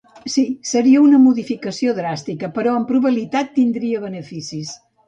Sí, seria una modificació dràstica, però amb probabilitat tindria beneficis.